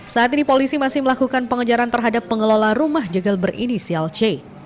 saat ini polisi masih melakukan pengejaran terhadap pengelola rumah jagal berinisial c